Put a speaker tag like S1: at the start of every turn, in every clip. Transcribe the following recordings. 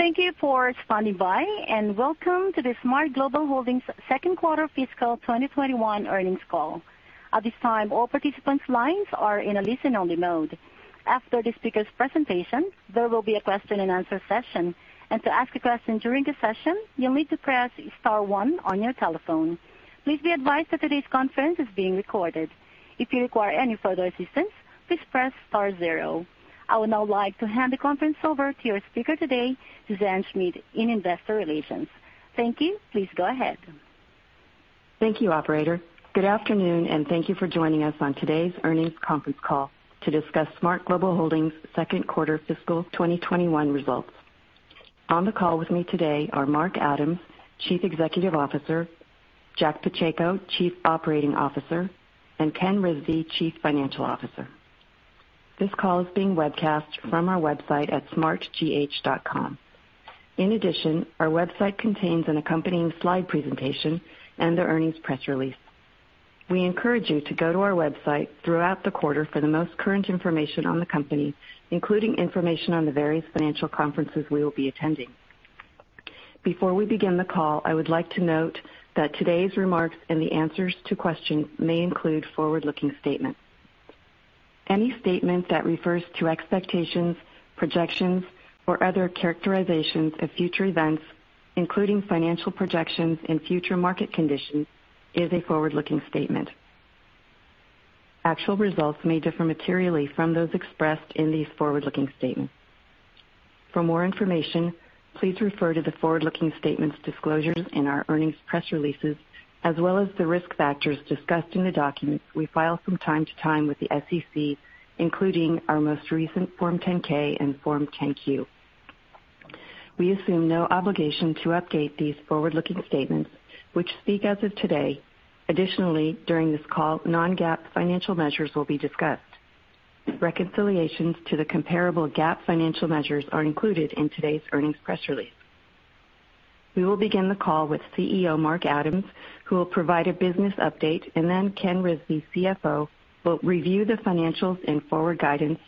S1: Thank you for standing by, and welcome to the SMART Global Holdings Second Quarter Fiscal 2021 Earnings Call. At this time, all participants' lines are in a listen-only mode. After the speaker's presentation, there will be a question-and-answer session. To ask a question during the session, you'll need to press star one on your telephone. Please be advised that today's conference is being recorded. If you require any further assistance, please press star zero. I would now like to hand the conference over to your speaker today, Suzanne Schmidt in Investor Relations. Thank you. Please go ahead.
S2: Thank you, operator. Good afternoon, thank you for joining us on today's Earnings Conference Call to discuss SMART Global Holdings' Second Quarter Fiscal 2021 Results. On the call with me today are Mark Adams, Chief Executive Officer, Jack Pacheco, Chief Operating Officer, and Ken Rizvi, Chief Financial Officer. This call is being webcast from our website at smartgh.com. In addition, our website contains an accompanying slide presentation and the earnings press release. We encourage you to go to our website throughout the quarter for the most current information on the company, including information on the various financial conferences we will be attending. Before we begin the call, I would like to note that today's remarks and the answers to questions may include forward-looking statements. Any statement that refers to expectations, projections, or other characterizations of future events, including financial projections and future market conditions, is a forward-looking statement. Actual results may differ materially from those expressed in these forward-looking statements. For more information, please refer to the forward-looking statements disclosures in our earnings press releases, as well as the risk factors discussed in the documents we file from time to time with the SEC, including our most recent Form 10-K and Form 10-Q. We assume no obligation to update these forward-looking statements, which speak as of today. Additionally, during this call, non-GAAP financial measures will be discussed. Reconciliations to the comparable GAAP financial measures are included in today's earnings press release. We will begin the call with CEO Mark Adams, who will provide a business update, and then Ken Rizvi, CFO, will review the financials and forward guidance.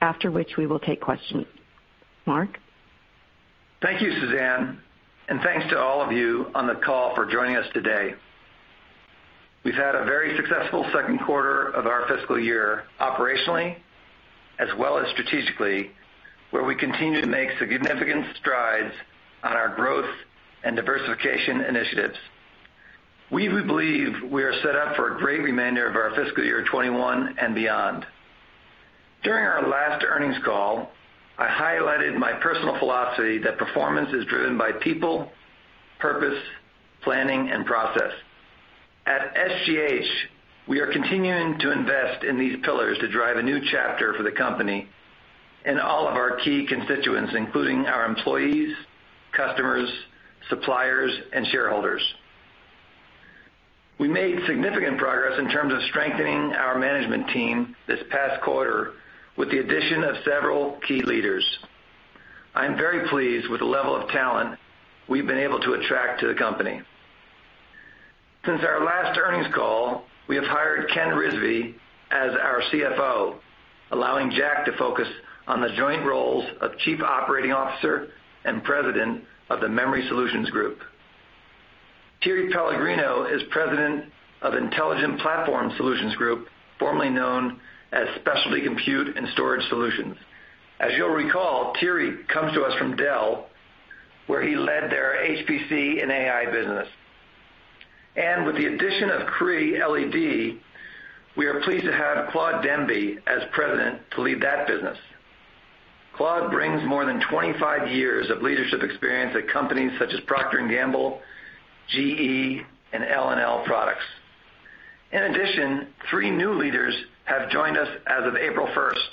S2: After which, we will take questions. Mark?
S3: Thank you, Suzanne. Thanks to all of you on the call for joining us today. We've had a very successful second quarter of our fiscal year operationally, as well as strategically, where we continue to make significant strides on our growth and diversification initiatives. We believe we are set up for a great remainder of our fiscal year 2021 and beyond. During our last earnings call, I highlighted my personal philosophy that performance is driven by people, purpose, planning, and process. At SGH, we are continuing to invest in these pillars to drive a new chapter for the company and all of our key constituents, including our employees, customers, suppliers, and shareholders. We made significant progress in terms of strengthening our management team this past quarter with the addition of several key leaders. I'm very pleased with the level of talent we've been able to attract to the company. Since our last Earnings Call, we have hired Ken Rizvi as our CFO, allowing Jack to focus on the joint roles of Chief Operating Officer and President of the Memory Solutions Group. Thierry Pellegrino is President of Intelligent Platform Solutions group, formerly known as Specialty Compute and Storage Solutions. As you'll recall, Thierry comes to us from Dell, where he led their HPC and AI business. With the addition of Cree LED, we are pleased to have Claude Demby as President to lead that business. Claude brings more than 25 years of leadership experience at companies such as Procter & Gamble, GE, and L&L Products. In addition, three new leaders have joined us as of April 1st.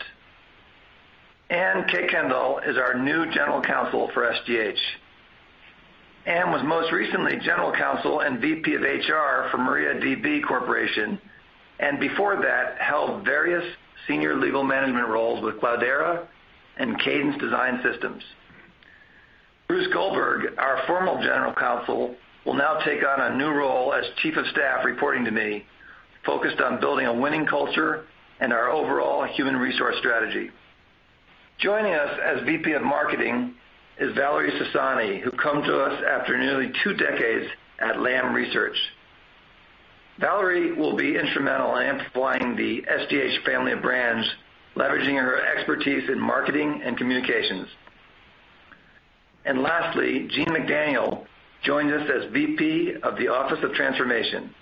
S3: Anne Kuykendall, is our new General Counsel for SGH. Anne was most recently General Counsel and VP of of HR for MariaDB Corporation, and before that, held various senior legal management roles with Cloudera and Cadence Design Systems. Bruce Goldberg, our former General Counsel, will now take on a new role as Chief of Staff, reporting to me, focused on building a winning culture and our overall human resource strategy. Joining us as VP of Marketing is Valerie Sassani, who comes to us after nearly two decades at Lam Research. Valerie will be instrumental in amplifying the SGH family of brands, leveraging her expertise in marketing and communications. Lastly, Jean McDaniel joins us as VP of the Office of Transformation.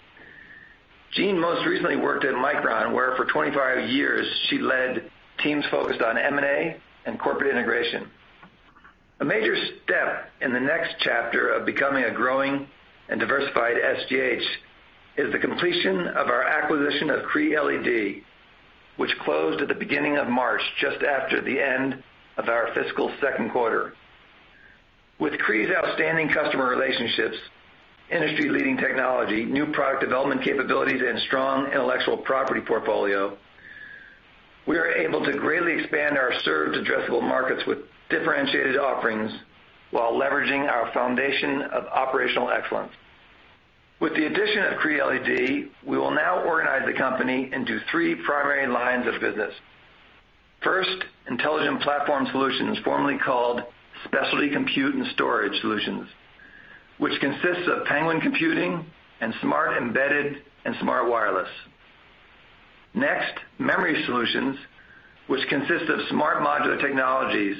S3: Jean most recently worked at Micron, where for 25 years she led teams focused on M&A and corporate integration. A major step in the next chapter of becoming a growing and diversified SGH is the completion of our acquisition of Cree LED, which closed at the beginning of March, just after the end of our fiscal second quarter. With Cree's outstanding customer relationships, industry-leading technology, new product development capabilities, and strong intellectual property portfolio, we are able to greatly expand our served addressable markets with differentiated offerings while leveraging our foundation of operational excellence. With the addition of Cree LED, we will now organize the company into three primary lines of business. First, Intelligent Platform Solutions, formerly called Specialty Compute and Storage Solutions, which consists of Penguin Computing and SMART Embedded and SMART Wireless. Next, Memory Solutions, which consists of SMART Modular Technologies,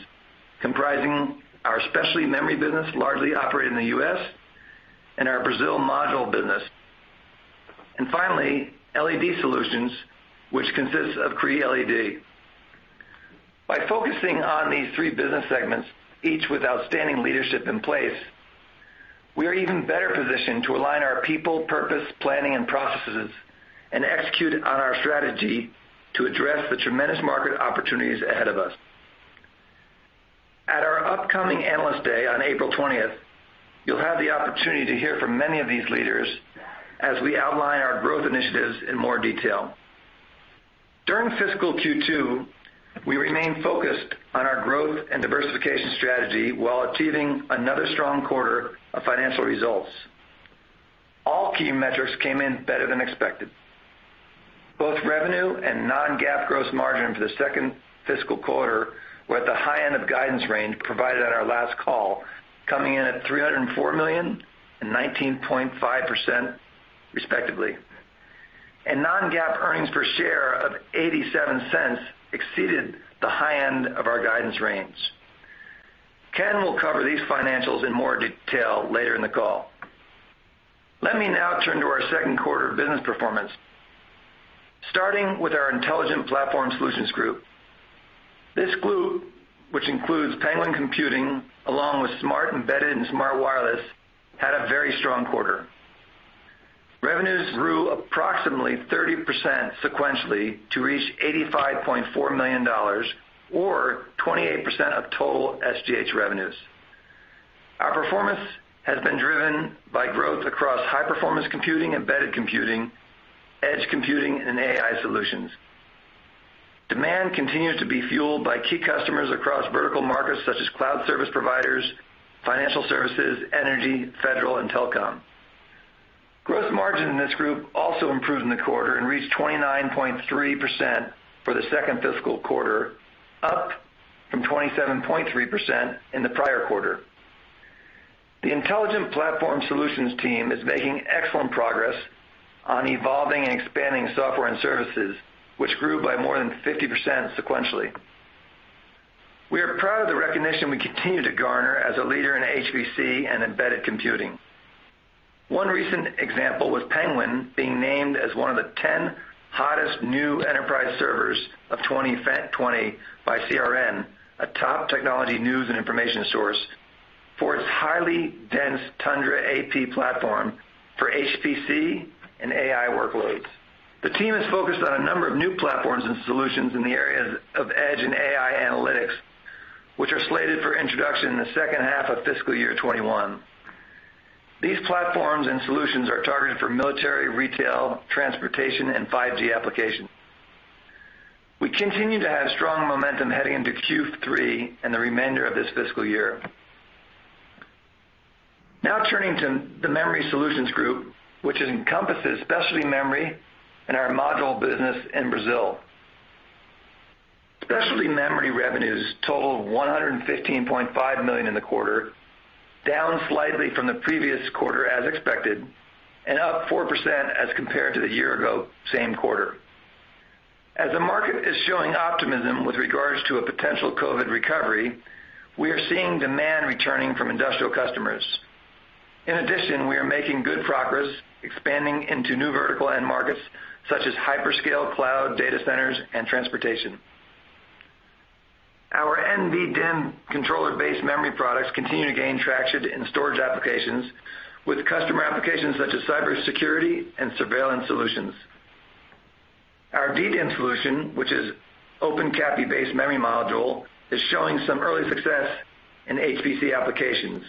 S3: comprising our specialty memory business, largely operating in the U.S., and our Brazil module business. Finally, LED Solutions, which consists of Cree LED. By focusing on these three business segments, each with outstanding leadership in place, we are even better positioned to align our people, purpose, planning, and processes and execute on our strategy to address the tremendous market opportunities ahead of us. At our upcoming Analyst Day on April 20th, you'll have the opportunity to hear from many of these leaders as we outline our growth initiatives in more detail. During fiscal Q2, we remain focused on our growth and diversification strategy while achieving another strong quarter of financial results. All key metrics came in better than expected. Both revenue and non-GAAP gross margin for the second fiscal quarter were at the high end of guidance range provided at our last call, coming in at $304 million and 19.5% respectively. Non-GAAP earnings per share of $0.87 exceeded the high end of our guidance range. Ken will cover these financials in more detail later in the call. Let me now turn to our second quarter business performance. Starting with our Intelligent Platform Solutions group. This group, which includes Penguin Computing, along with SMART Embedded and SMART Wireless, had a very strong quarter. Revenues grew approximately 30% sequentially to reach $85.4 million or 28% of total SGH revenues. Our performance has been driven by growth across high-performance computing, embedded computing, edge computing, and AI solutions. Demand continues to be fueled by key customers across vertical markets such as cloud service providers, financial services, energy, federal, and telecom. Gross margin in this group also improved in the quarter and reached 29.3% for the second fiscal quarter, up from 27.3% in the prior quarter. The Intelligent Platform Solutions team is making excellent progress on evolving and expanding software and services, which grew by more than 50% sequentially. We are proud of the recognition we continue to garner as a leader in HPC and embedded computing. One recent example was Penguin being named as one of the 10 hottest new enterprise servers of 2020 by CRN, a top technology news and information source, for its highly dense Tundra AP platform for HPC and AI workloads. The team is focused on a number of new platforms and solutions in the areas of edge and AI analytics, which are slated for introduction in the second half of fiscal year 2021. These platforms and solutions are targeted for military, retail, transportation, and 5G applications. We continue to have strong momentum heading into Q3 and the remainder of this fiscal year. Now turning to the Memory Solutions Group, which encompasses specialty memory and our module business in Brazil. Specialty memory revenues totaled $115.5 million in the quarter, down slightly from the previous quarter as expected, and up 4% as compared to the year-ago same quarter. As the market is showing optimism with regards to a potential COVID-19 recovery, we are seeing demand returning from industrial customers. In addition, we are making good progress expanding into new vertical end markets, such as hyperscale cloud, data centers, and transportation. Our NVDIMM controller-based memory products continue to gain traction in storage applications with customer applications such as cybersecurity and surveillance solutions. Our DDIMM solution, which is OpenCAPI-based memory module, is showing some early success in HPC applications.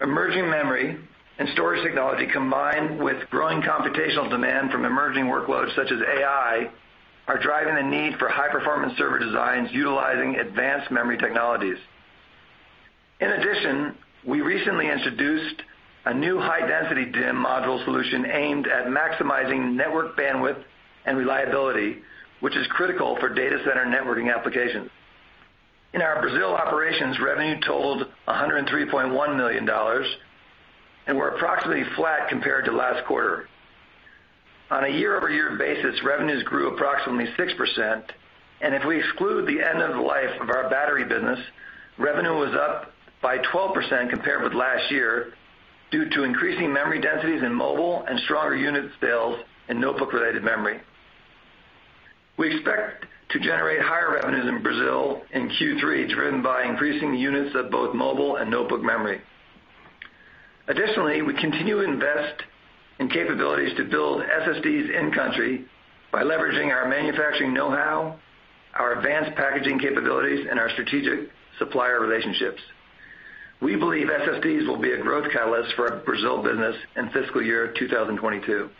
S3: Emerging memory and storage technology, combined with growing computational demand from emerging workloads such as AI, are driving the need for high-performance server designs utilizing advanced memory technologies. We recently introduced a new high-density DIMM module solution aimed at maximizing network bandwidth and reliability, which is critical for data center networking applications. In our Brazil operations, revenue totaled $103.1 million and were approximately flat compared to last quarter. On a year-over-year basis, revenues grew approximately 6%, and if we exclude the end of the life of our battery business, revenue was up by 12% compared with last year due to increasing memory densities in mobile and stronger unit sales in notebook-related memory. We expect to generate higher revenues in Brazil in Q3, driven by increasing the units of both mobile and notebook memory. We continue to invest in capabilities to build SSDs in-country by leveraging our manufacturing know-how, our advanced packaging capabilities, and our strategic supplier relationships. We believe SSDs will be a growth catalyst for our Brazil business in fiscal year 2022.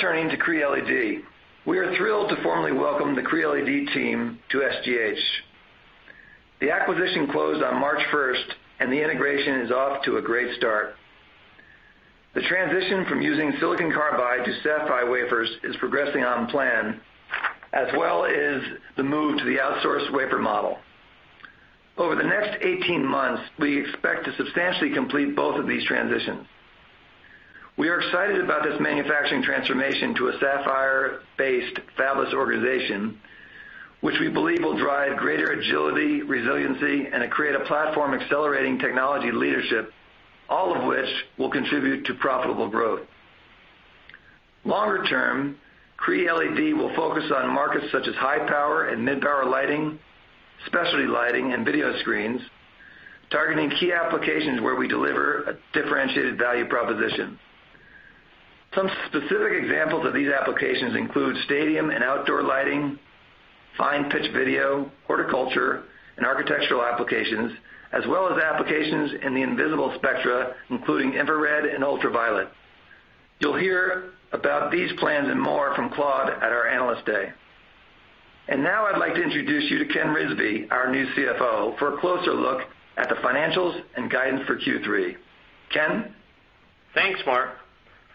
S3: Turning to Cree LED. We are thrilled to formally welcome the Cree LED team to SGH. The acquisition closed on March 1st. The integration is off to a great start. The transition from using silicon carbide to sapphire wafers is progressing on plan, as well is the move to the outsourced wafer model. Over the next 18 months, we expect to substantially complete both of these transitions. We are excited about this manufacturing transformation to a sapphire-based fabless organization, which we believe will drive greater agility, resiliency, and create a platform accelerating technology leadership, all of which will contribute to profitable growth. Longer term, Cree LED will focus on markets such as high power and mid-power lighting, specialty lighting, and video screens, targeting key applications where we deliver a differentiated value proposition. Some specific examples of these applications include stadium and outdoor lighting, fine-pitch video, horticulture, and architectural applications, as well as applications in the invisible spectra, including infrared and ultraviolet. You'll hear about these plans and more from Claude at our Analyst Day. Now I'd like to introduce you to Ken Rizvi, our new CFO, for a closer look at the financials and guidance for Q3. Ken?
S4: Thanks, Mark.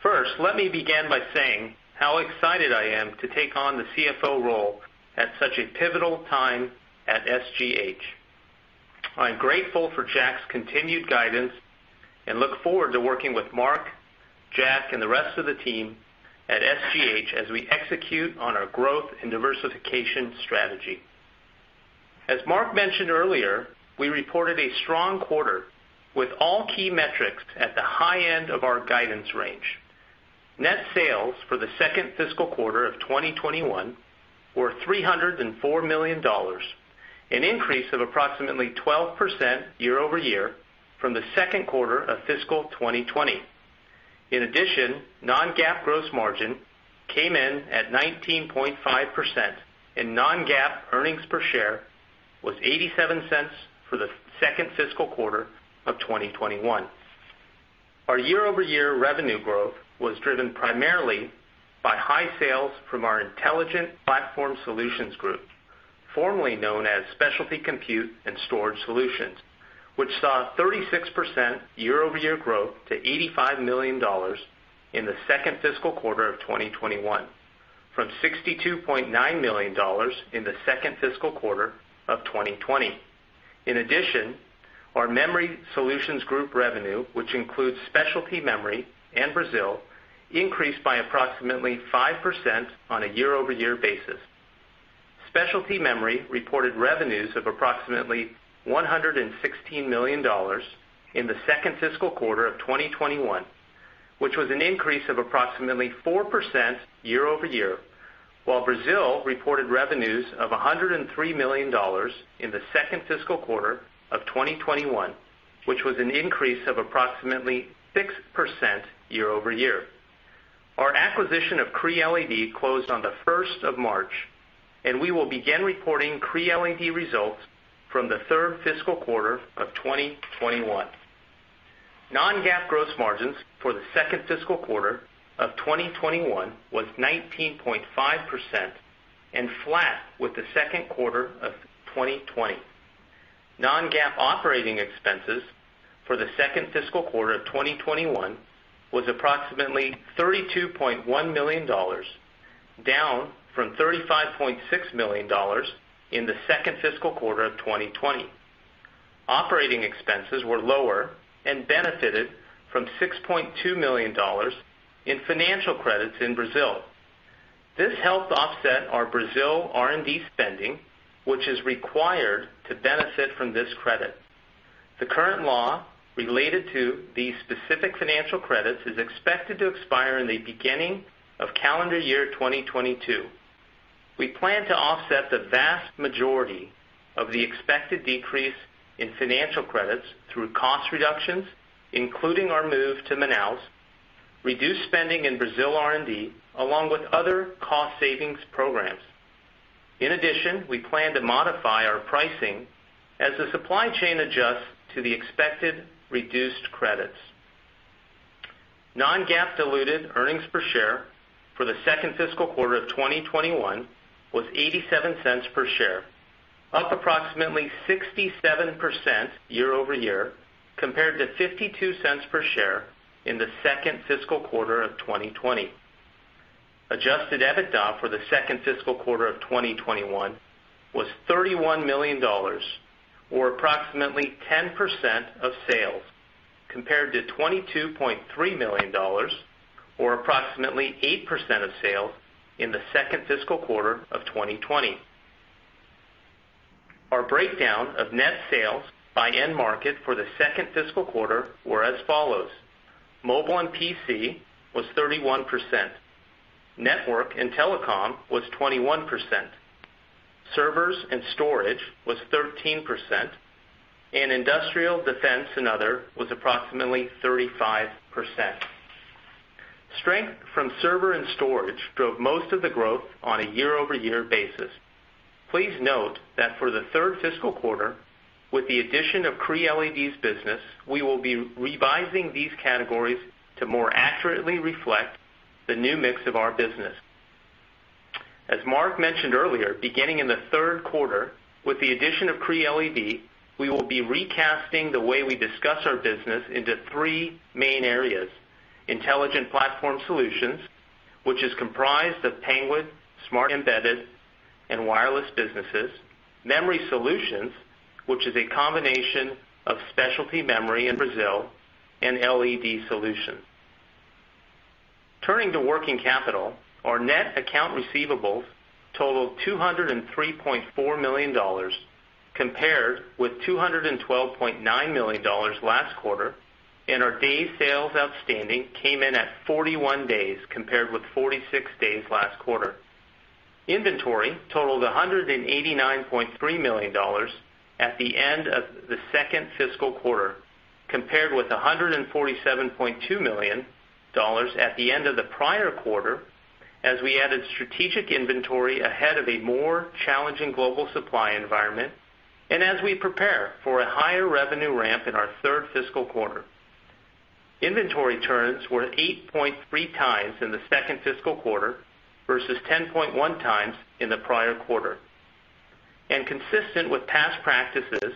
S4: First, let me begin by saying how excited I am to take on the CFO role at such a pivotal time at SGH. I'm grateful for Jack's continued guidance and look forward to working with Mark, Jack, and the rest of the team at SGH as we execute on our growth and diversification strategy. As Mark mentioned earlier, we reported a strong quarter with all key metrics at the high end of our guidance range. Net sales for the second fiscal quarter of 2021 were $304 million, an increase of approximately 12% year-over-year from the second quarter of fiscal 2020. In addition, non-GAAP gross margin came in at 19.5%, and non-GAAP earnings per share was $0.87 for the second fiscal quarter of 2021. Our year-over-year revenue growth was driven primarily by high sales from our Intelligent Platform Solutions, formerly known as Specialty Compute and Storage Solutions, which saw 36% year-over-year growth to $85 million in the second fiscal quarter of 2021 from $62.9 million in the second fiscal quarter of 2020. In addition, our Memory Solutions Group revenue, which includes specialty memory and Brazil, increased by approximately 5% on a year-over-year basis. Specialty memory reported revenues of approximately $116 million in the second fiscal quarter of 2021, which was an increase of approximately 4% year-over-year, while Brazil reported revenues of $103 million in the second fiscal quarter of 2021, which was an increase of approximately 6% year-over-year. Our acquisition of Cree LED closed on the 1st of March, and we will begin reporting Cree LED results from the third fiscal quarter of 2021. Non-GAAP gross margins for the second fiscal quarter of 2021 was 19.5% and flat with the second quarter of 2020. Non-GAAP operating expenses for the second fiscal quarter of 2021 was approximately $32.1 million, down from $35.6 million in the second fiscal quarter of 2020. Operating expenses were lower and benefited from $6.2 million in financial credits in Brazil. This helped offset our Brazil R&D spending, which is required to benefit from this credit. The current law related to these specific financial credits is expected to expire in the beginning of calendar year 2022. We plan to offset the vast majority of the expected decrease in financial credits through cost reductions, including our move to Manaus, reduced spending in Brazil R&D, along with other cost savings programs. In addition, we plan to modify our pricing as the supply chain adjusts to the expected reduced credits. Non-GAAP diluted earnings per share for the second fiscal quarter of 2021 was $0.87 per share, up approximately 67% year-over-year compared to $0.52 per share in the second fiscal quarter of 2020. Adjusted EBITDA for the second fiscal quarter of 2021 was $31 million, or approximately 10% of sales, compared to $22.3 million, or approximately 8% of sales in the second fiscal quarter of 2020. Our breakdown of net sales by end market for the second fiscal quarter were as follows: mobile and PC was 31%, network and telecom was 21%, servers and storage was 13%, and industrial, defense, and other was approximately 35%. Strength from server and storage drove most of the growth on a year-over-year basis. Please note that for the third fiscal quarter, with the addition of Cree LED's business, we will be revising these categories to more accurately reflect the new mix of our business. As Mark mentioned earlier, beginning in the third quarter, with the addition of Cree LED, we will be recasting the way we discuss our business into three main areas. Intelligent Platform Solutions, which is comprised of Penguin, SMART Embedded, and Wireless businesses, Memory Solutions, which is a combination of specialty memory in Brazil, and LED Solutions. Turning to working capital, our net account receivables totaled $203.4 million compared with $212.9 million last quarter, and our day sales outstanding came in at 41 days, compared with 46 days last quarter. Inventory totaled $189.3 million at the end of the second fiscal quarter compared with $147.2 million at the end of the prior quarter, as we added strategic inventory ahead of a more challenging global supply environment, and as we prepare for a higher revenue ramp in our third fiscal quarter. Inventory turns were 8.3x in the second fiscal quarter versus 10.1x in the prior quarter. Consistent with past practices,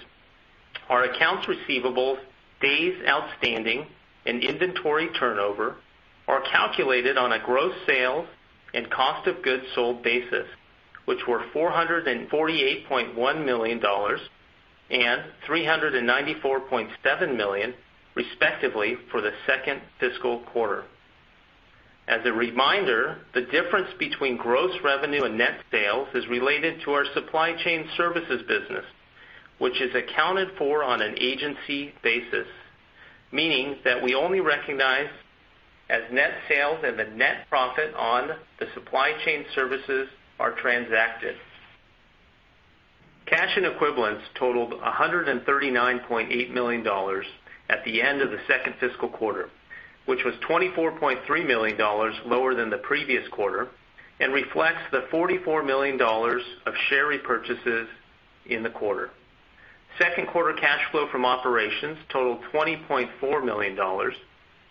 S4: our accounts receivables, days outstanding, and inventory turnover are calculated on a gross sales and cost of goods sold basis, which were $448.1 million and $394.7 million, respectively, for the second fiscal quarter. As a reminder, the difference between gross revenue and net sales is related to our supply chain services business, which is accounted for on an agency basis, meaning that we only recognize as net sales and the net profit on the supply chain services are transacted. Cash and equivalents totaled $139.8 million at the end of the second fiscal quarter, which was $24.3 million lower than the previous quarter, and reflects the $44 million of share repurchases in the quarter. Second quarter cash flow from operations totaled $20.4 million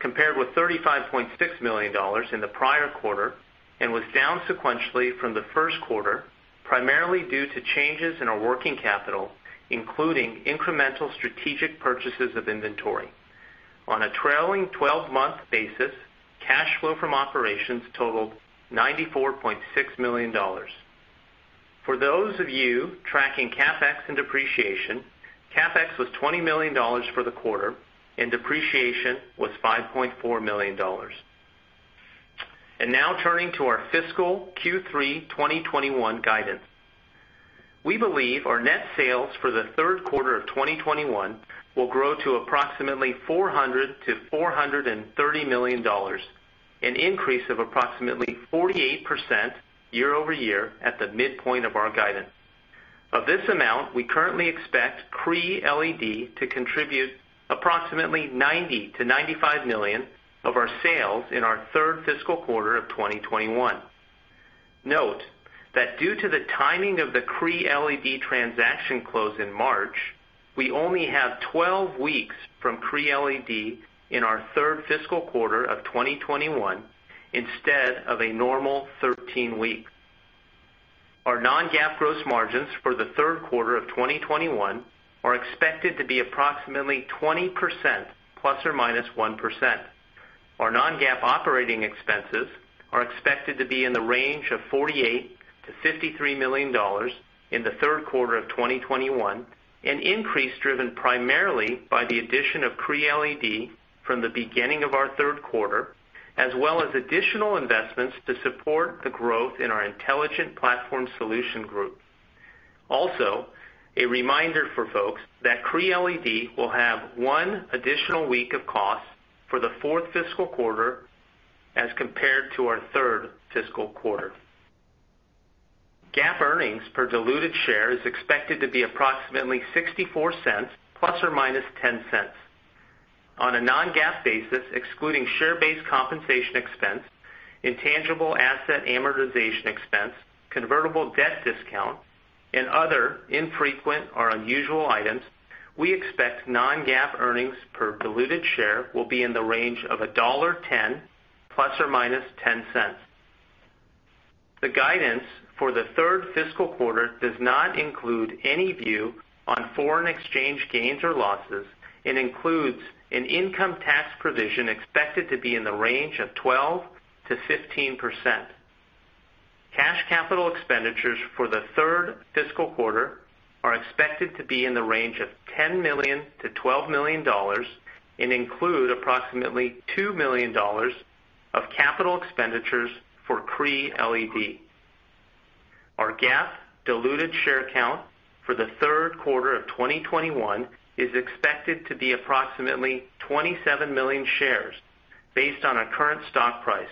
S4: compared with $35.6 million in the prior quarter, and was down sequentially from the first quarter, primarily due to changes in our working capital, including incremental strategic purchases of inventory. On a trailing 12-month basis, cash flow from operations totaled $94.6 million. For those of you tracking CapEx and depreciation, CapEx was $20 million for the quarter, and depreciation was $5.4 million. Now turning to our fiscal Q3 2021 guidance. We believe our net sales for the third quarter of 2021 will grow to approximately $400 million-$430 million, an increase of approximately 48% year-over-year at the midpoint of our guidance. Of this amount, we currently expect Cree LED to contribute approximately $90 million-$95 million of our sales in our third fiscal quarter of 2021. Note that due to the timing of the Cree LED transaction close in March, we only have 12 weeks from Cree LED in our third fiscal quarter of 2021 instead of a normal 13 weeks. Our non-GAAP gross margins for the third quarter of 2021 are expected to be approximately 20%, ±1%. Our non-GAAP operating expenses are expected to be in the range of $48 million-$53 million in the third quarter of 2021, an increase driven primarily by the addition of Cree LED from the beginning of our third quarter, as well as additional investments to support the growth in our Intelligent Platform Solutions. A reminder for folks that Cree LED will have one additional week of costs for the fourth fiscal quarter as compared to our third fiscal quarter. GAAP earnings per diluted share is expected to be approximately $0.64, ±$0.10. On a non-GAAP basis, excluding share-based compensation expense, intangible asset amortization expense, convertible debt discount, and other infrequent or unusual items, we expect non-GAAP earnings per diluted share will be in the range of $1.10, ±$0.10. The guidance for the third fiscal quarter does not include any view on foreign exchange gains or losses and includes an income tax provision expected to be in the range of 12%-15%. Cash capital expenditures for the third fiscal quarter are expected to be in the range of $10 million-$12 million and include approximately $2 million of capital expenditures for Cree LED. Our GAAP diluted share count for the third quarter of 2021 is expected to be approximately 27 million shares based on our current stock price.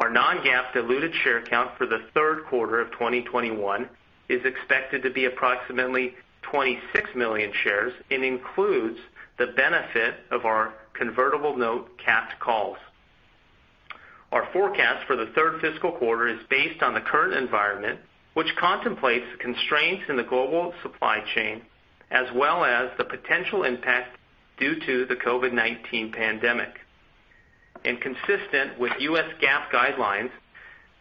S4: Our non-GAAP diluted share count for the third quarter of 2021 is expected to be approximately 26 million shares and includes the benefit of our convertible note capped calls. Our forecast for the third fiscal quarter is based on the current environment. It contemplates the constraints in the global supply chain, as well as the potential impact due to the COVID-19 pandemic. Consistent with US GAAP guidelines,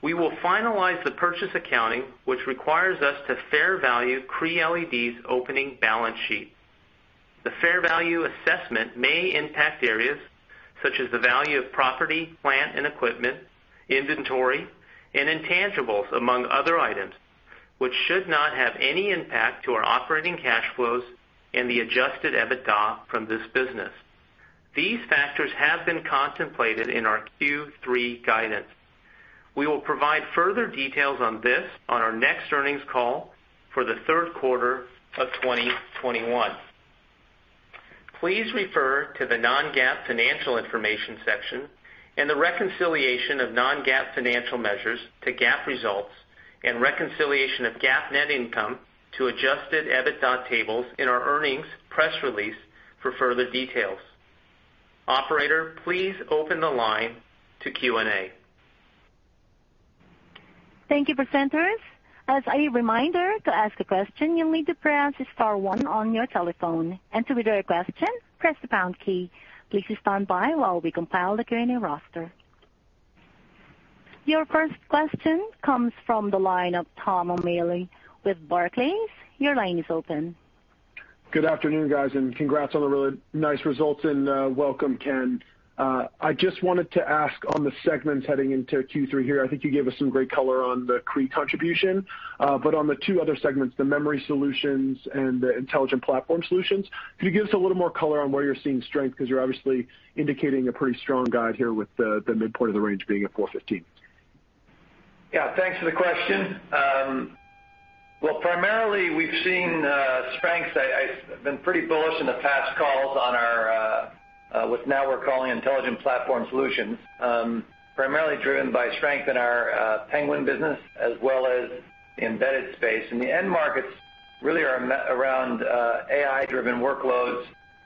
S4: we will finalize the purchase accounting, which requires us to fair value Cree LED's opening balance sheet. The fair value assessment may impact areas such as the value of property, plant, and equipment, inventory, and intangibles, among other items, which should not have any impact to our operating cash flows and the adjusted EBITDA from this business. These factors have been contemplated in our Q3 guidance. We will provide further details on this on our next Earnings Call for the third quarter of 2021. Please refer to the non-GAAP financial information section and the reconciliation of non-GAAP financial measures to GAAP results and reconciliation of GAAP net income to adjusted EBITDA tables in our earnings press release for further details. Operator, please open the line to Q&A.
S1: Thank you, presenters. As a reminder, to ask a question, you'll need to press star one on your telephone, and to withdraw your question, press the pound key. Please stand by while we compile the Q&A roster. Your first question comes from the line of Thomas O'Malley with Barclays. Your line is open.
S5: Good afternoon, guys, and congrats on the really nice results, and welcome, Ken. I just wanted to ask on the segments heading into Q3 here, I think you gave us some great color on the Cree contribution. On the two other segments, the Memory Solutions and the Intelligent Platform Solutions, could you give us a little more color on where you're seeing strength? You're obviously indicating a pretty strong guide here with the midpoint of the range being at 415.
S3: Well, primarily, we've seen strengths. I've been pretty bullish in the past calls on what now we're calling Intelligent Platform Solutions. Primarily driven by strength in our Penguin business, as well as the embedded space. The end markets really are around AI-driven workloads,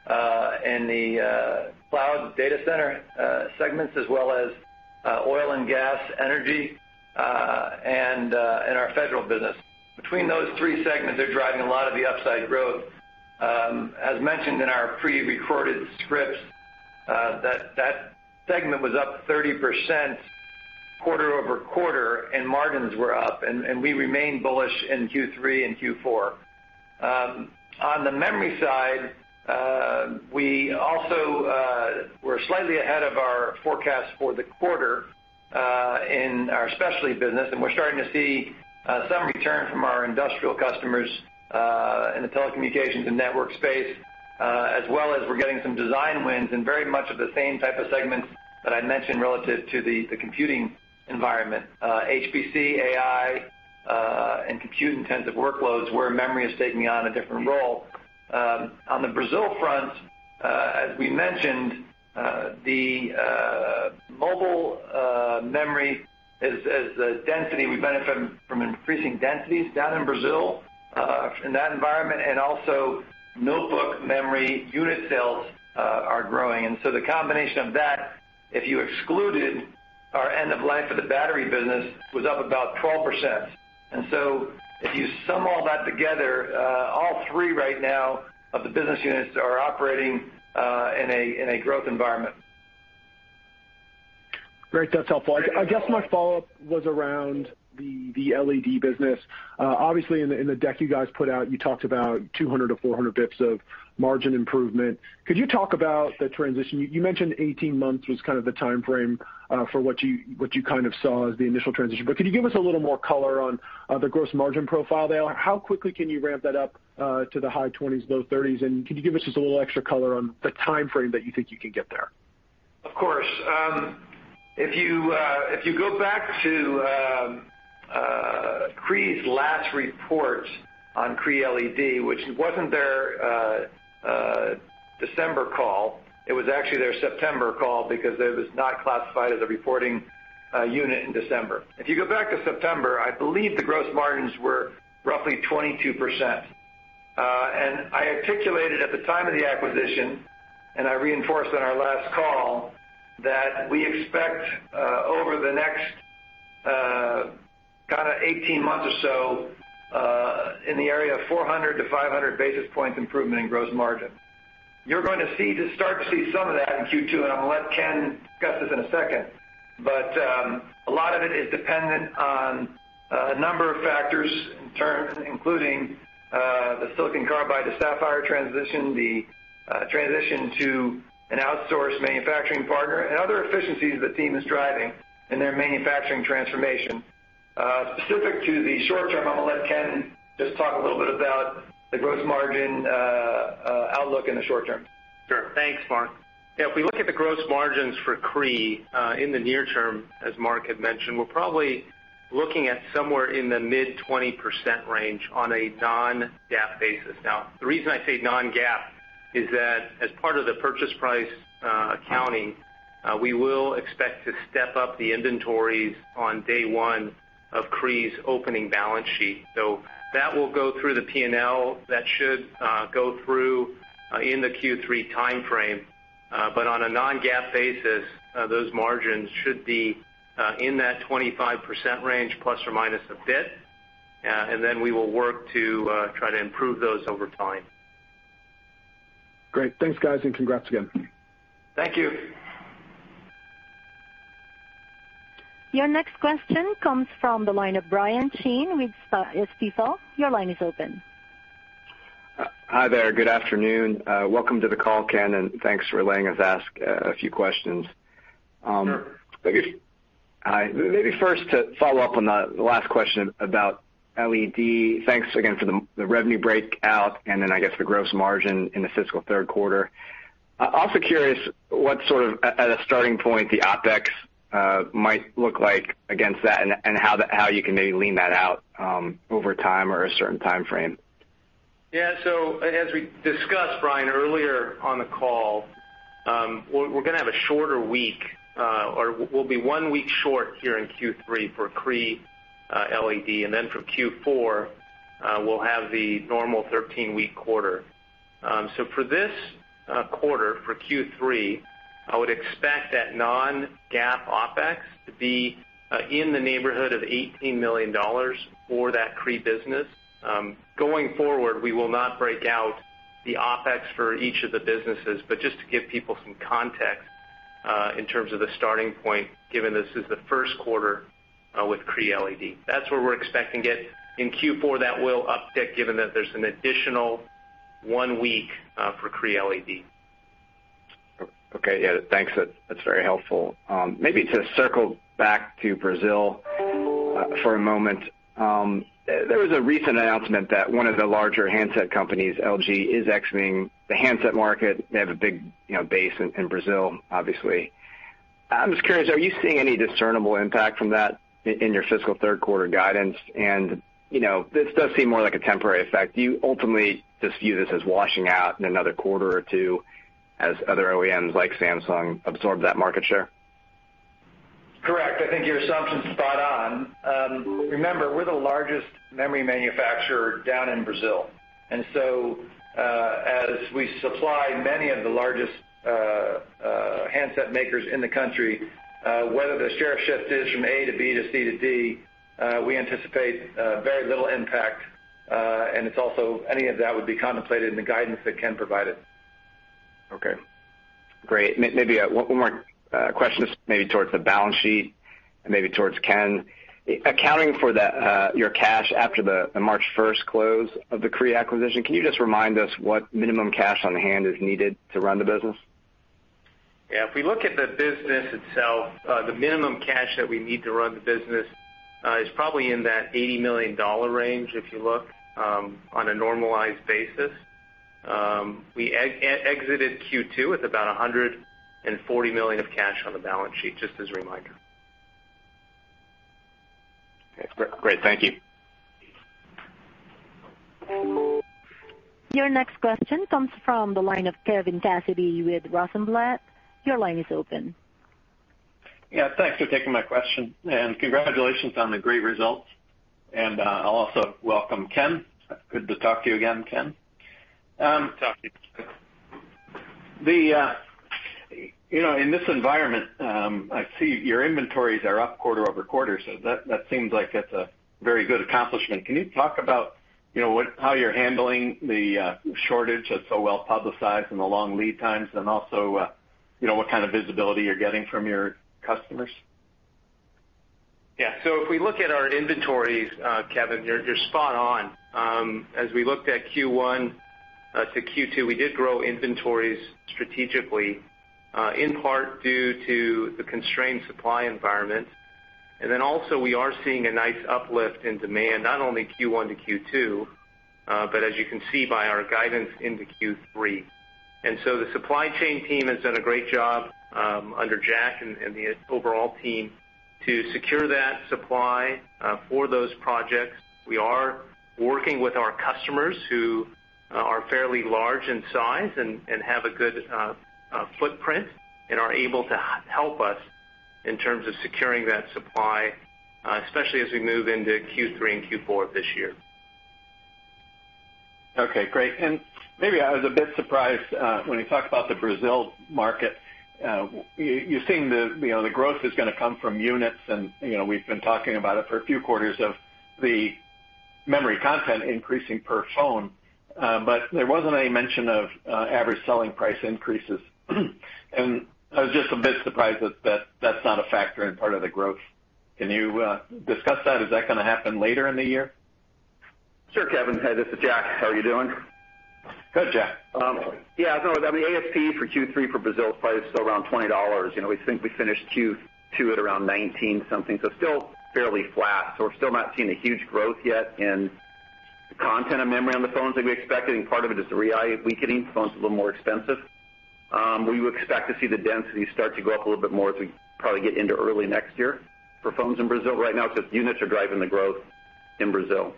S3: and the cloud data center segments, as well as oil and gas, energy, and our federal business. Between those three segments, they're driving a lot of the upside growth. As mentioned in our pre-recorded scripts, that segment was up 30% quarter-over-quarter, and margins were up, and we remain bullish in Q3 and Q4. On the memory side, we're slightly ahead of our forecast for the quarter in our specialty business, and we're starting to see some return from our industrial customers in the telecommunications and network space, as well as we're getting some design wins in very much of the same type of segments that I mentioned relative to the computing environment. HPC, AI, and compute-intensive workloads, where memory is taking on a different role. On the Brazil front, as we mentioned, the mobile memory as the density, we benefit from increasing densities down in Brazil, in that environment, and also notebook memory unit sales are growing. The combination of that, if you excluded our end of life of the battery business, was up about 12%. If you sum all that together, all three right now of the business units are operating in a growth environment.
S5: Great. That's helpful. I guess my follow-up was around the LED business. Obviously, in the deck you guys put out, you talked about 200 to 400 basis points of margin improvement. Could you talk about the transition? You mentioned 18 months was the timeframe for what you saw as the initial transition. Could you give us a little more color on the gross margin profile there? How quickly can you ramp that up to the high 20%, low 30%? Could you give us just a little extra color on the timeframe that you think you can get there?
S3: Of course. If you go back to Cree's last report on Cree LED, which wasn't their December call, it was actually their September call because it was not classified as a reporting unit in December. If you go back to September, I believe the gross margins were roughly 22%. I articulated at the time of the acquisition, and I reinforced on our last call, that we expect over the next 18 months or so, in the area of 400 to 500 basis points improvement in gross margin. You're going to start to see some of that in Q2, and I'm going to let Ken discuss this in a second. A lot of it is dependent on a number of factors, including the silicon carbide to sapphire transition, the transition to an outsourced manufacturing partner, and other efficiencies the team is driving in their manufacturing transformation. Specific to the short term, I'm going to let Ken just talk a little bit about the gross margin outlook in the short term.
S4: Sure. Thanks, Mark. If we look at the gross margins for Cree in the near term, as Mark had mentioned, we're probably looking at somewhere in the mid-20% range on a non-GAAP basis. The reason I say non-GAAP is that as part of the purchase price accounting, we will expect to step up the inventories on day one of Cree's opening balance sheet. That will go through the P&L. That should go through in the Q3 timeframe. On a non-GAAP basis, those margins should be in that 25% range, plus or minus a bit, and then we will work to try to improve those over time.
S5: Great. Thanks, guys, and congrats again.
S3: Thank you.
S1: Your next question comes from the line of Brian Chin with Stifel. Your line is open.
S6: Hi there. Good afternoon. Welcome to the call, Ken, and thanks for letting us ask a few questions.
S3: Sure. Thank you.
S6: Hi. Maybe first to follow up on the last question about LED. Thanks again for the revenue breakout and then I guess the gross margin in the fiscal third quarter. Also curious what sort of, at a starting point, the OpEx might look like against that and how you can maybe lean that out over time or a certain timeframe.
S4: As we discussed, Brian, earlier on the call, we're going to have a shorter week, or we'll be one week short here in Q3 for Cree LED, and then for Q4, we'll have the normal 13-week quarter. For this quarter, for Q3, I would expect that non-GAAP OpEx to be in the neighborhood of $18 million for that Cree business. Going forward, we will not break out the OpEx for each of the businesses, but just to give people some context, in terms of the starting point, given this is the first quarter with Cree LED. That's where we're expecting it. In Q4, that will uptick given that there's an additional one week for Cree LED.
S6: Okay. Yeah, thanks. That's very helpful. Maybe to circle back to Brazil for a moment. There was a recent announcement that one of the larger handset companies, LG, is exiting the handset market. They have a big base in Brazil, obviously. I'm just curious, are you seeing any discernible impact from that in your fiscal third quarter guidance? This does seem more like a temporary effect. Do you ultimately just view this as washing out in another quarter or two as other OEMs like Samsung absorb that market share?
S3: Correct. I think your assumption's spot on. Remember, we're the largest memory manufacturer down in Brazil. As we supply many of the largest handset makers in the country, whether the share shift is from A to B to C to D, we anticipate very little impact. It's also, any of that would be contemplated in the guidance that Ken provided.
S6: Okay, great. Maybe one more question, maybe towards the balance sheet and maybe towards Ken. Accounting for your cash after the March 1st close of the Cree acquisition, can you just remind us what minimum cash on hand is needed to run the business?
S4: If we look at the business itself, the minimum cash that we need to run the business is probably in that $80 million range, if you look on a normalized basis. We exited Q2 with about $140 million of cash on the balance sheet, just as a reminder.
S6: Okay, great. Thank you.
S1: Your next question comes from the line of Kevin Cassidy with Rosenblatt. Your line is open.
S7: Yeah, thanks for taking my question, and congratulations on the great results. I'll also welcome Ken. Good to talk to you again, Ken.
S4: Good talking to you.
S7: In this environment, I see your inventories are up quarter-over-quarter, so that seems like that's a very good accomplishment. Can you talk about how you're handling the shortage that's so well-publicized and the long lead times, and also what kind of visibility you're getting from your customers?
S4: Yeah. If we look at our inventories, Kevin, you're spot on. As we looked at Q1 to Q2, we did grow inventories strategically, in part due to the constrained supply environment. Also, we are seeing a nice uplift in demand, not only Q1 to Q2, but as you can see by our guidance into Q3. The supply chain team has done a great job under Jack and the overall team to secure that supply for those projects. We are working with our customers who are fairly large in size and have a good footprint and are able to help us in terms of securing that supply, especially as we move into Q3 and Q4 of this year.
S7: Maybe I was a bit surprised when you talked about the Brazil market. You're seeing the growth is going to come from units, and we've been talking about it for a few quarters of the memory content increasing per phone. There wasn't any mention of average selling price increases. I was just a bit surprised that that's not a factor in part of the growth. Can you discuss that? Is that going to happen later in the year?
S8: Sure, Kevin. Hey, this is Jack. How are you doing?
S7: Good, Jack.
S8: No, the ASP for Q3 for Brazil is probably still around $20. We think we finished Q2 at around 19-something. Still fairly flat. We're still not seeing a huge growth yet in the content of memory on the phones that we expected, and part of it is the Real weakening. The phone's a little more expensive. We would expect to see the density start to go up a little bit more as we probably get into early next year for phones in Brazil. Right now, it's just units are driving the growth in Brazil.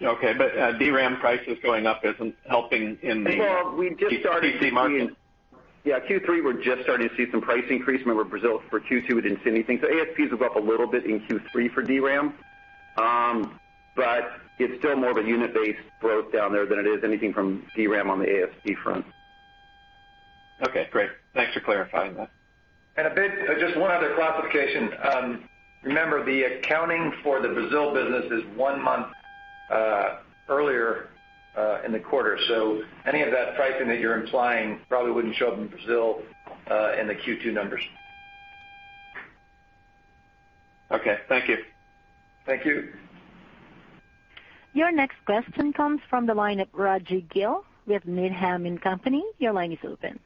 S7: Okay. DRAM prices going up isn't helping in the PC market?
S8: Q3, we're just starting to see some price increase. Remember, Brazil for Q2, we didn't see anything. ASPs were up a little bit in Q3 for DRAM. It's still more of a unit-based growth down there than it is anything from DRAM on the ASP front.
S7: Okay, great. Thanks for clarifying that.
S8: Just one other clarification. Remember, the accounting for the Brazil business is one month earlier in the quarter. Any of that pricing that you're implying probably wouldn't show up in Brazil in the Q2 numbers.
S7: Okay, thank you.
S8: Thank you.
S1: Your next question comes from the line of Raji Gill with Needham & Company. Your line is open.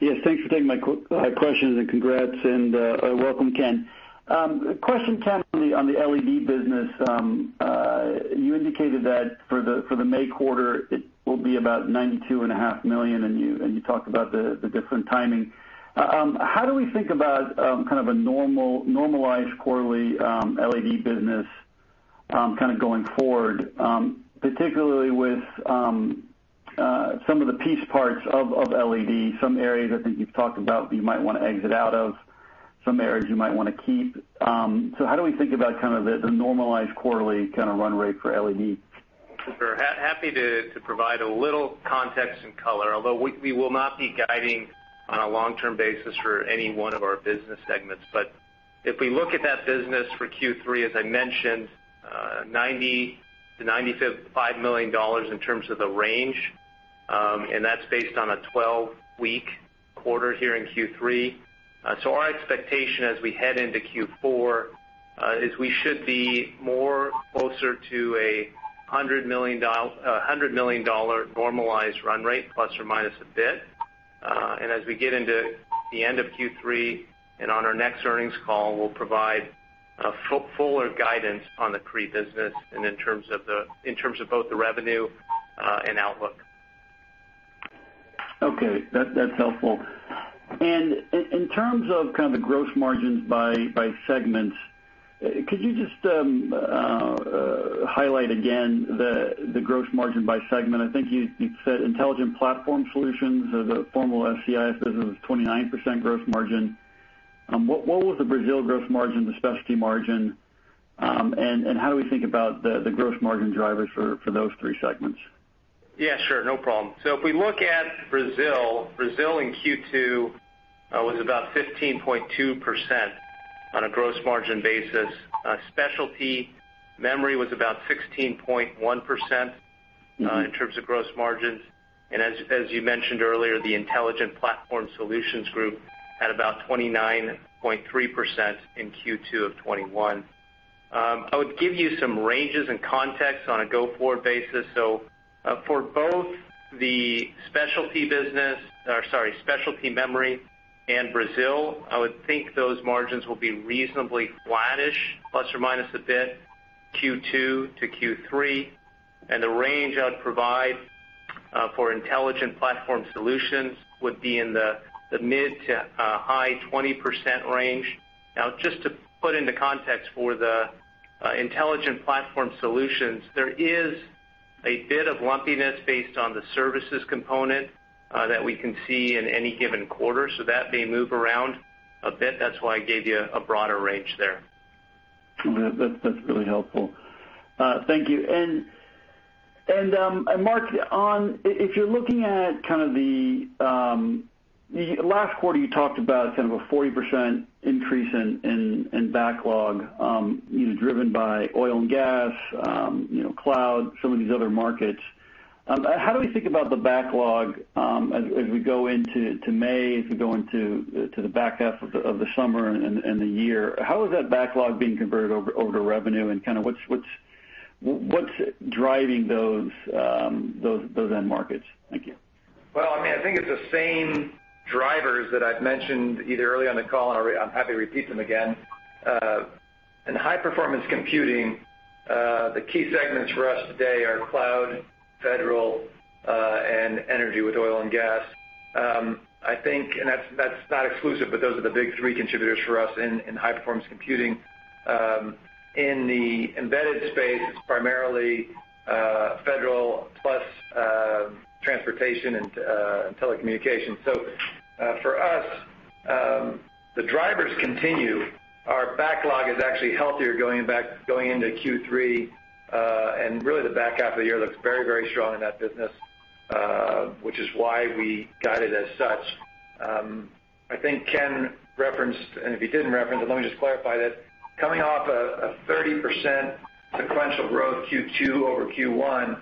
S9: Yes, thanks for taking my question, and congrats and welcome, Ken. Question, Ken, on the LED business. You indicated that for the May quarter, it will be about $92.5 million, and you talked about the different timing. How do we think about kind of a normalized quarterly LED business going forward, particularly with some of the piece parts of LED, some areas I think you've talked about that you might want to exit out of, some areas you might want to keep. How do we think about kind of the normalized quarterly kind of run rate for LED?
S4: Sure. Happy to provide a little context and color, although we will not be guiding on a long-term basis for any one of our business segments. If we look at that business for Q3, as I mentioned, $90 million-$95 million in terms of the range, and that's based on a 12-week quarter here in Q3. Our expectation as we head into Q4, is we should be more closer to a $100 million normalized run rate, plus or minus a bit. As we get into the end of Q3 and on our next earnings call, we'll provide a fuller guidance on the Cree business and in terms of both the revenue and outlook.
S9: Okay. That's helpful. In terms of kind of the gross margins by segments, could you just highlight again the gross margin by segment? I think you said Intelligent Platform Solutions or the former SCSS business was 29% gross margin. What was the Brazil gross margin, the specialty margin, and how do we think about the gross margin drivers for those three segments?
S4: Yeah, sure. No problem. If we look at Brazil in Q2 was about 15.2% on a gross margin basis. specialty memory was about 16.1% in terms of gross margins. As you mentioned earlier, the Intelligent Platform Solutions group had about 29.3% in Q2 of 2021. I would give you some ranges and context on a go-forward basis. For both the specialty business, or sorry, specialty memory and Brazil, I would think those margins will be reasonably flattish, plus or minus a bit, Q2 to Q3. The range I would provide for Intelligent Platform Solutions would be in the mid to high 20% range. Now, just to put into context for the Intelligent Platform Solutions, there is a bit of lumpiness based on the services component that we can see in any given quarter. That may move around a bit. That's why I gave you a broader range there.
S9: That's really helpful. Thank you. Mark, if you're looking at kind of the last quarter, you talked about kind of a 40% increase in backlog driven by oil and gas, cloud, some of these other markets. How do we think about the backlog as we go into May, as we go into the back half of the summer and the year? How is that backlog being converted over to revenue and kind of what's driving those end markets? Thank you.
S3: Well, I think it's the same drivers that I've mentioned either early on the call, and I'm happy to repeat them again. In high-performance computing, the key segments for us today are cloud, federal, and energy with oil and gas. That's not exclusive, but those are the big three contributors for us in high-performance computing. In the embedded space, it's primarily federal plus transportation and telecommunications. For us, the drivers continue. Our backlog is actually healthier going into Q3. Really the back half of the year looks very strong in that business, which is why we guided as such. I think Ken referenced, and if he didn't reference it, let me just clarify that coming off a 30% sequential growth Q2 over Q1,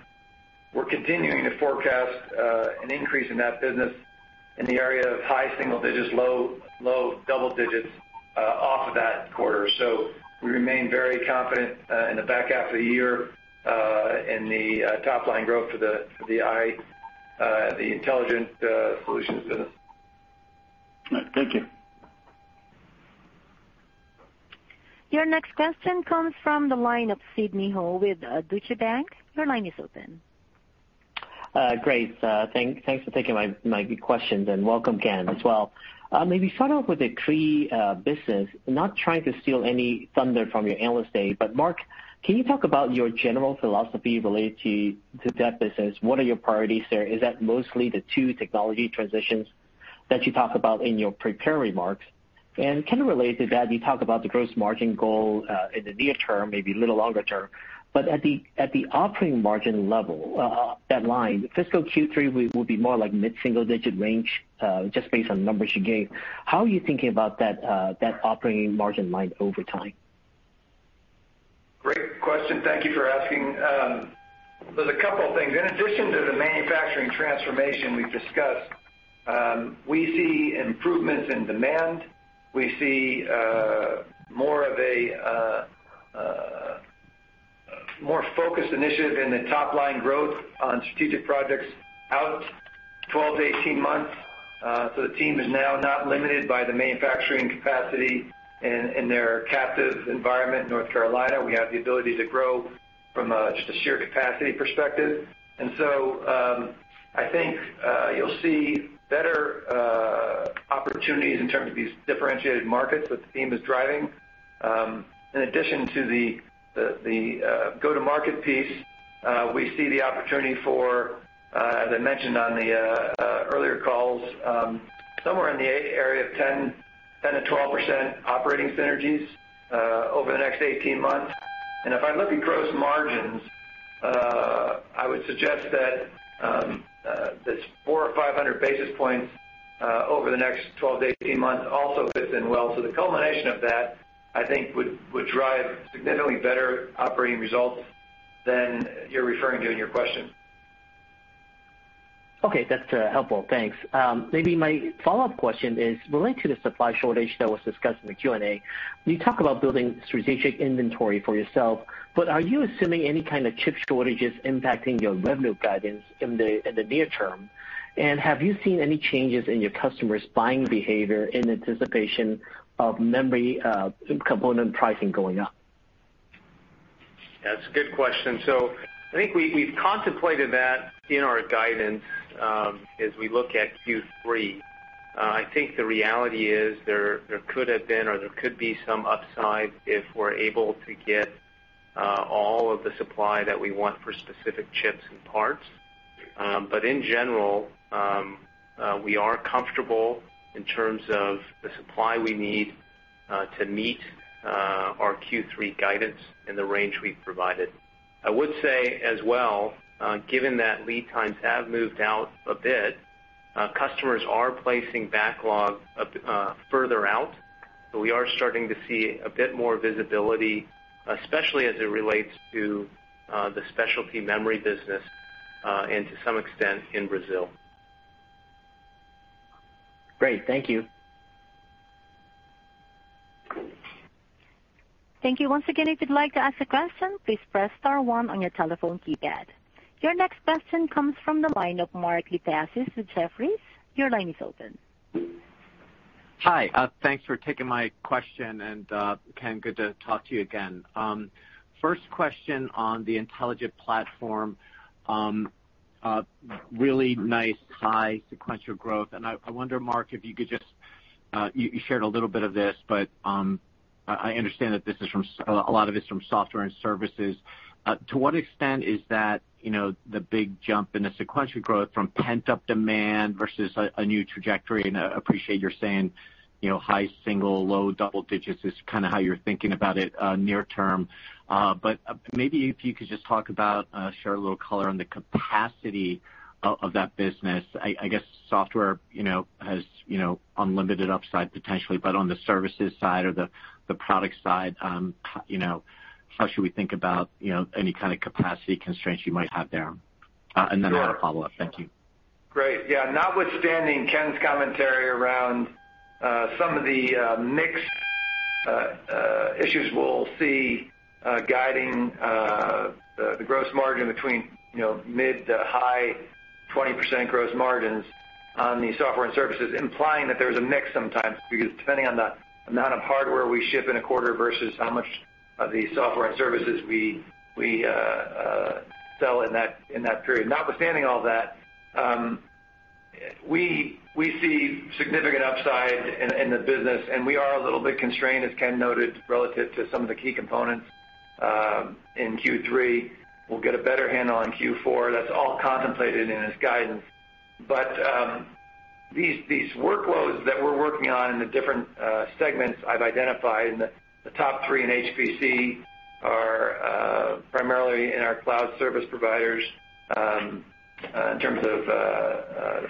S3: we're continuing to forecast an increase in that business in the area of high single digits, low double digits off of that quarter. We remain very confident in the back half of the year in the top-line growth for the Intelligent Solutions business.
S9: All right. Thank you.
S1: Your next question comes from the line of Sidney Ho with Deutsche Bank. Your line is open.
S10: Great. Thanks for taking my questions and welcome, Ken, as well. Maybe start off with the Cree business. Not trying to steal any thunder from your Analyst Day, but Mark, can you talk about your general philosophy related to that business? What are your priorities there? Is that mostly the two technology transitions that you talk about in your prepared remarks. Kind of related to that, you talk about the gross margin goal in the near term, maybe a little longer term, but at the operating margin level, that line, fiscal Q3 will be more like mid-single digit range, just based on numbers you gave. How are you thinking about that operating margin line over time?
S3: Great question. Thank you for asking. There's a couple of things. In addition to the manufacturing transformation we've discussed, we see improvements in demand. We see more of a more focused initiative in the top-line growth on strategic projects out 12 to 18 months. The team is now not limited by the manufacturing capacity in their captive environment in North Carolina. We have the ability to grow from just a sheer capacity perspective. I think you'll see better opportunities in terms of these differentiated markets that the team is driving. In addition to the go-to-market piece, we see the opportunity for, as I mentioned on the earlier calls, somewhere in the area of 10%-12% operating synergies over the next 18 months. If I look at gross margins, I would suggest that this 400 or 500 basis points over the next 12 to 18 months also fits in well. The culmination of that, I think would drive significantly better operating results than you're referring to in your question.
S10: Okay. That's helpful. Thanks. Maybe my follow-up question is related to the supply shortage that was discussed in the Q&A. You talk about building strategic inventory for yourself, but are you assuming any kind of chip shortages impacting your revenue guidance in the near term? Have you seen any changes in your customers' buying behavior in anticipation of memory component pricing going up?
S3: That's a good question. I think we've contemplated that in our guidance as we look at Q3. I think the reality is there could have been, or there could be some upside if we're able to get all of the supply that we want for specific chips and parts. In general, we are comfortable in terms of the supply we need to meet our Q3 guidance in the range we've provided. I would say as well, given that lead times have moved out a bit, customers are placing backlog further out. We are starting to see a bit more visibility, especially as it relates to the specialty memory business, and to some extent in Brazil.
S10: Great. Thank you.
S1: Thank you once again. Your next question comes from the line of Mark Lipacis with Jefferies.
S11: Hi. Thanks for taking my question. Ken, good to talk to you again. First question on the Intelligent Platform. Really nice high sequential growth. You shared a little bit of this, but I understand that a lot of it's from software and services. To what extent is that the big jump in the sequential growth from pent-up demand versus a new trajectory? I appreciate you're saying high single, low double digits is kind of how you're thinking about it near term. Maybe if you could just share a little color on the capacity of that business. I guess software has unlimited upside potentially, but on the services side or the product side, how should we think about any kind of capacity constraints you might have there? I have a follow-up. Thank you.
S3: Great. Yeah. Notwithstanding Ken's commentary around some of the mix issues we'll see guiding the gross margin between mid to high 20% gross margins on the software and services, implying that there's a mix sometimes, because depending on the amount of hardware we ship in a quarter versus how much of the software and services we sell in that period. Notwithstanding all that, we see significant upside in the business, and we are a little bit constrained, as Ken noted, relative to some of the key components in Q3. We'll get a better handle on Q4. That's all contemplated in his guidance. These workloads that we're working on in the different segments I've identified, and the top three in HPC are primarily in our cloud service providers, in terms of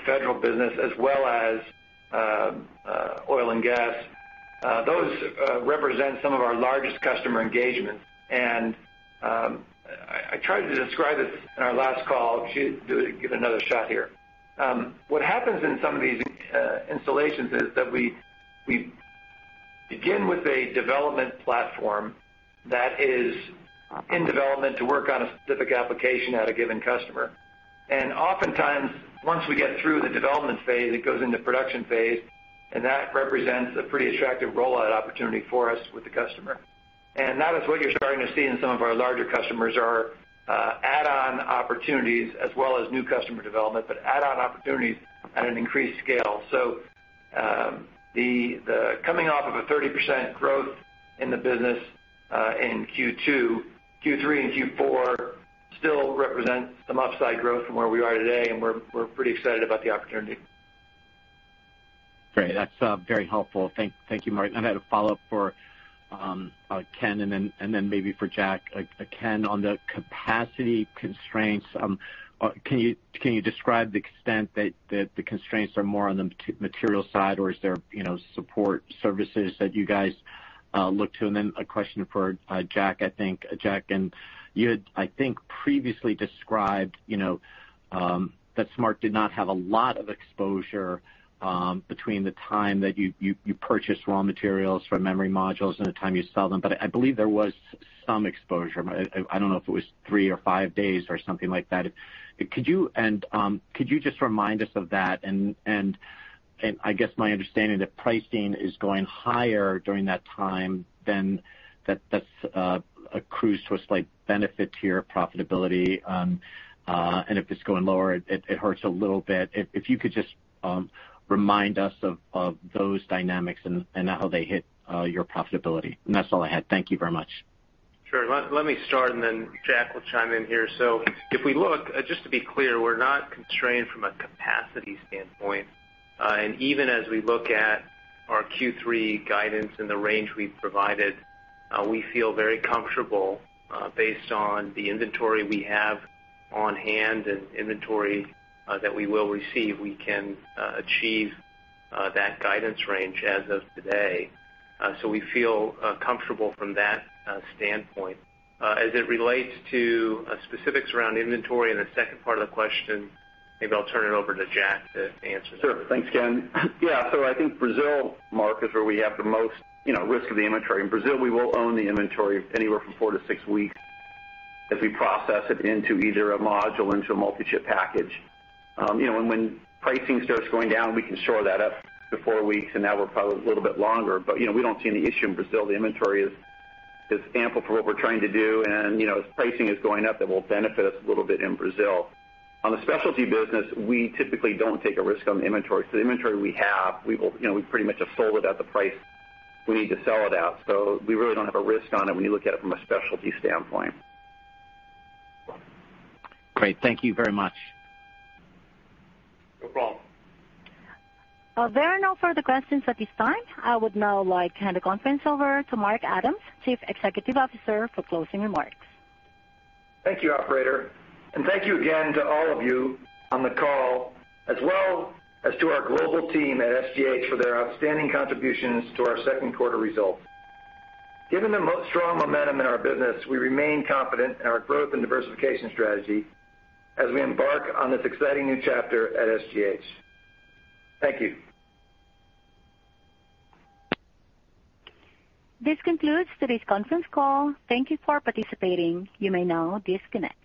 S3: federal business as well as oil and gas. Those represent some of our largest customer engagements. I tried to describe this in our last call. I'll give it another shot here. What happens in some of these installations is that we begin with a development platform that is in development to work on a specific application at a given customer. Oftentimes, once we get through the development phase, it goes into production phase, and that represents a pretty attractive rollout opportunity for us with the customer. That is what you're starting to see in some of our larger customers are add-on opportunities as well as new customer development, but add-on opportunities at an increased scale. Coming off of a 30% growth in the business in Q2, Q3 and Q4 Still represent some upside growth from where we are today, and we're pretty excited about the opportunity.
S11: Great. That's very helpful. Thank you, Mark. I had a follow-up for Ken and then maybe for Jack. Ken, on the capacity constraints, can you describe the extent that the constraints are more on the material side or is there support services that you guys look to? Then a question for Jack, I think. Jack, you had, I think, previously described that SMART did not have a lot of exposure between the time that you purchase raw materials from memory modules and the time you sell them. I believe there was some exposure. I don't know if it was three or five days or something like that. Could you just remind us of that? I guess my understanding that pricing is going higher during that time, then that accrues to a slight benefit to your profitability, and if it is going lower, it hurts a little bit. If you could just remind us of those dynamics and how they hit your profitability. That is all I had. Thank you very much.
S4: Sure. Let me start and then Jack will chime in here. If we look, just to be clear, we're not constrained from a capacity standpoint. Even as we look at our Q3 guidance and the range we've provided, we feel very comfortable based on the inventory we have on hand and inventory that we will receive, we can achieve that guidance range as of today. We feel comfortable from that standpoint. As it relates to specifics around inventory and the second part of the question, maybe I'll turn it over to Jack to answer that.
S8: Sure. Thanks, Ken. Yeah. I think Brazil market is where we have the most risk of the inventory. In Brazil, we will own the inventory anywhere from four to six weeks as we process it into either a module into a multi-chip package. When pricing starts going down, we can shore that up to four weeks, and now we're probably a little bit longer. We don't see any issue in Brazil. The inventory is ample for what we're trying to do. As pricing is going up, that will benefit us a little bit in Brazil. On the specialty business, we typically don't take a risk on the inventory. The inventory we have, we pretty much have sold it at the price we need to sell it at. We really don't have a risk on it when you look at it from a specialty standpoint.
S11: Great. Thank you very much.
S8: No problem.
S1: There are no further questions at this time. I would now like to hand the conference over to Mark Adams, Chief Executive Officer, for closing remarks.
S3: Thank you, operator. Thank you again to all of you on the call, as well as to our global team at SGH for their outstanding contributions to our second quarter results. Given the strong momentum in our business, we remain confident in our growth and diversification strategy as we embark on this exciting new chapter at SGH. Thank you.
S1: This concludes today's conference call. Thank you for participating. You may now disconnect.